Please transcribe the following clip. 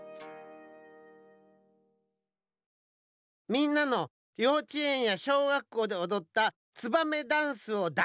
みんなのようちえんやしょうがっこうでおどった「ツバメダンス」をだ